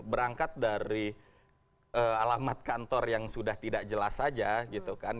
berangkat dari alamat kantor yang sudah tidak jelas saja gitu kan